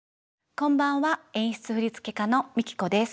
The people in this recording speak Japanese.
こんばんは演出振付家のＭＩＫＩＫＯです。